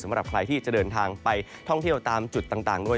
สำหรับใครที่จะเดินทางไปท่องเที่ยวตามจุดต่างด้วย